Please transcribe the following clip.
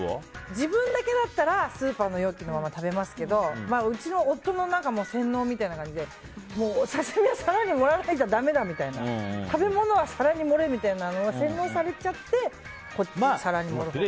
自分だけだったらスーパーの容器のまま食べますけどうちの夫の洗脳みたいな感じで刺し身は皿に盛らなきゃだめだみたいな食べ物は皿に盛れって洗脳されちゃって、皿に盛るほう。